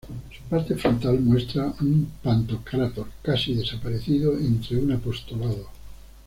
Su parte frontal muestra un Pantocrátor, casi desaparecido, entre un apostolado.